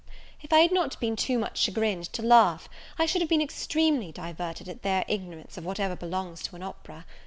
If I had not been too much chagrined to laugh, I should have been extremely diverted at their ignorance of whatever belongs to an opera.